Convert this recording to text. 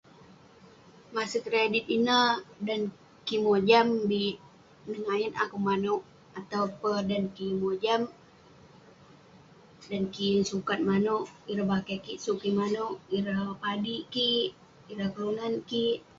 maseg keredit ineh, dan kik mojam ; bik nengayet akouk manouk. Atau peh dan kik yeng mojam, dan kik yeng sukat manouk, ireh bakeh kik suk kik manouk, ireh padik kik, ireh kelunan kik.